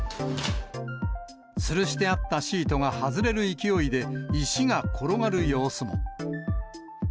つるしてあったシートが外れる勢いで、石が転がる様子も。